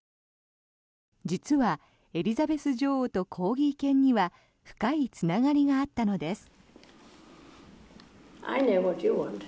実は、エリザベス女王とコーギー犬には深いつながりがあったのです。